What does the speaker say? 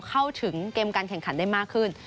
เข้าถึงเกมการแข่งขันได้มากขึ้น